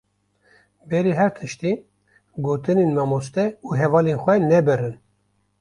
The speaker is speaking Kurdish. Berî her tiştî, gotinên mamoste û hevalên xwe nebirin.